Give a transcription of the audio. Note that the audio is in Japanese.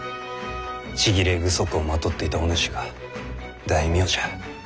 ちぎれ具足をまとっていたお主が大名じゃ。